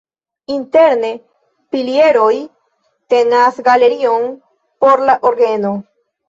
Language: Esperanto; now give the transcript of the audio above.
Interne pilieroj tenas galerion por la orgeno.